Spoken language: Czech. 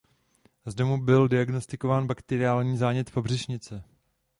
Zde mu byl diagnostikován bakteriální zánět pobřišnice.